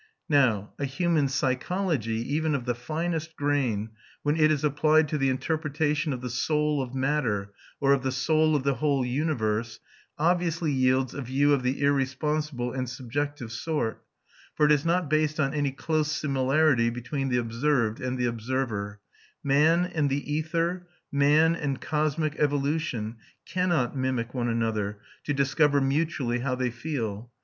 Now, a human psychology, even of the finest grain, when it is applied to the interpretation of the soul of matter, or of the soul of the whole universe, obviously yields a view of the irresponsible and subjective sort; for it is not based on any close similarity between the observed and the observer: man and the ether, man and cosmic evolution, cannot mimic one another, to discover mutually how they feel.